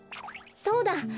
そうだ！